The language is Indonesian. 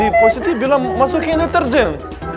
kan tadi pos siti bilang masukin deterjen